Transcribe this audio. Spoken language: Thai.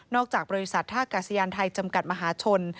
จากบริษัทท่ากาศยานไทยจำกัดมหาชน